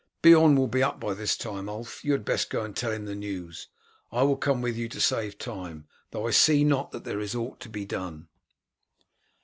"Beorn will be up by this time, Ulf. You had best go and tell him the news. I will come with you to save time, though I see not that there is aught to be done."